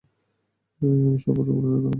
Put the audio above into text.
আমি সব বর্তমান ঘটনাই জানি।